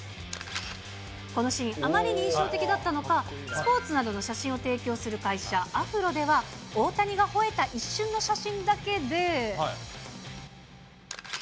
このシーン、あまりに印象的だったのか、スポーツなどの写真を提供する会社、アフロでは、大谷がほえた一瞬の写真だけで。